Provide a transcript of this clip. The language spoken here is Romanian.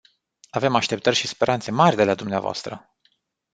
Avem așteptări și speranțe mari de la dumneavoastră.